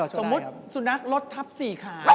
สมมุติสุนัขรถทับ๔ขา